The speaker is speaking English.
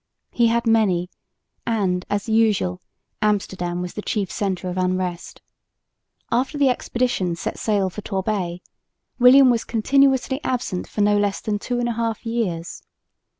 He had many; and, as usual, Amsterdam was the chief centre of unrest. After the expedition set sail for Torbay, William was continuously absent for no less than two and a half years.